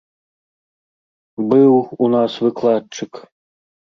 Быў у нас выкладчык.